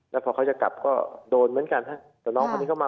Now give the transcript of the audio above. แล้วพอเขากลับก็โดนเหมือนกัน